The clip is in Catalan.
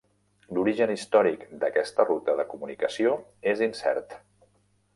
L'origen històric d'aquesta ruta de comunicació és incert.